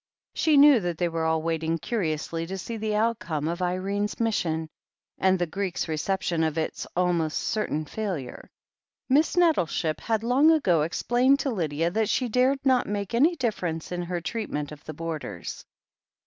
She knew that they were all waiting curiously to see the outcome of Irene's mission, and the Greek's reception of its almost certain failure. Miss Nettleship had long ago explained to Lydia that she dared not make any difference in her treatment of the boarders.